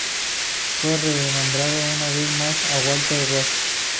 Fue renombrado una vez más a Warner Bros.